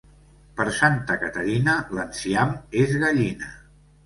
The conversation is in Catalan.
Per Santa Caterina l'enciam és gallina.